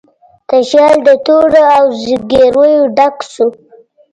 تشیال د تورو او زګیرویو ډک شو